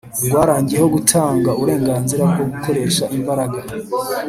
rwangiyeho gutanga uburenganzira bwo gukoresha imbaraga